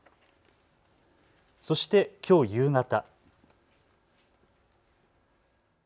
そしてきょう夕方。